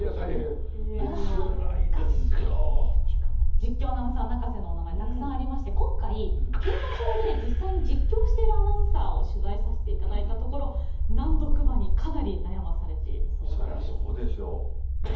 実況アナウンサー泣かせのおなまえはたくさんありまして今回競馬場で実際に実況しているアナウンサーを取材させていただいたところ難読馬にかなり悩まされているそうなんです。